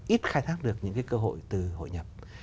ít khai thác được những cái cơ hội từ hội nhập